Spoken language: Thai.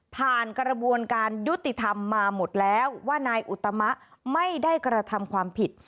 กระบวนการยุติธรรมมาหมดแล้วว่านายอุตมะไม่ได้กระทำความผิด